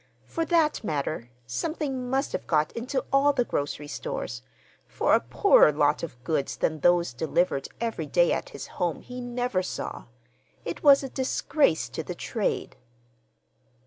For that matter, something must have got into all the grocery stores; for a poorer lot of goods than those delivered every day at his home he never saw. It was a disgrace to the trade.